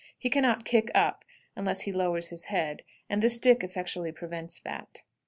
He can not kick up unless he lowers his head, and the stick effectually prevents that.